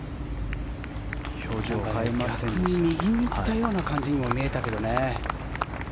逆に右に行ったような感じにも見えたけどね。